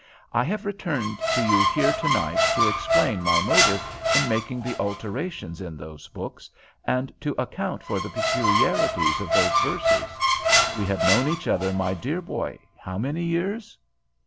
I have returned to you here to night to explain my motive in making the alterations in those books, and to account for the peculiarities of those verses. We have known each other, my dear boy, how many years?"